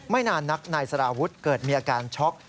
นานนักนายสารวุฒิเกิดมีอาการช็อก